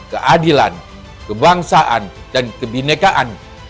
keadilan kebangsaan dan kebhinnekaan